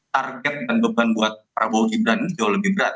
target dan beban buat prabowo gibran ini jauh lebih berat